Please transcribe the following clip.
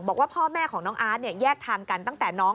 เพราะว่าแม่ของน้องอาร์ตเนี่ยแยกทางกันตั้งแต่น้อง